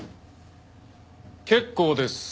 結構です。